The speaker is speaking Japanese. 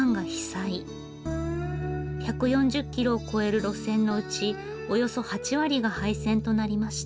１４０キロを超える路線のうちおよそ８割が廃線となりました。